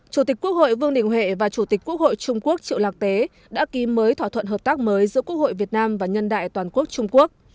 chủ tịch quốc hội vương đình huệ và chủ tịch quốc hội trung quốc triệu lạc tế đã ký mới thỏa thuận hợp tác mới giữa quốc hội việt nam và nhân đại toàn quốc trung quốc